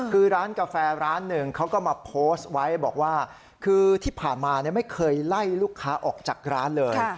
คือร้านกาแฟร้านหนึ่งเขาก็มาโพสต์ไว้บอกว่าคือที่ผ่านมาไม่เคยไล่ลูกค้าออกจากร้านเลย